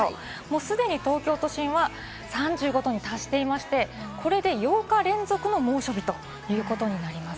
すでに東京都心は３５度に達していまして、これで８日連続の猛暑日ということになります。